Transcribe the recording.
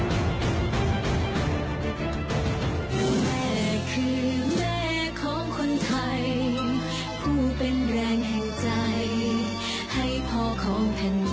ให้พ่อของแผ่นยิ่ง